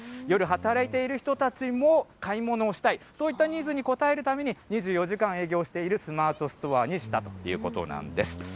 夜、働いている人たちも買い物をしたい、そういったニーズに応えるために、２４時間営業しているスマートストアにしたということなんです。